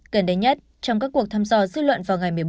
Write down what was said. gần đây nhất trong các cuộc thăm dò dư luận vào ngày một mươi bốn tháng năm